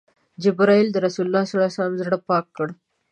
جبرئیل د رسول الله ﷺ زړه پاک کړ.